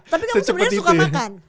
tapi kamu sebenarnya suka makan